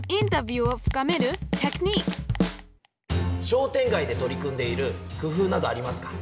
商店街で取り組んでいる工夫などありますか？